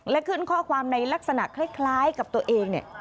และขึ้นข้อความในลักษณะคล้ายกับตัวเองเนี่ย